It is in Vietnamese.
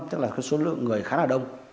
tức là cái số lượng người khá là đông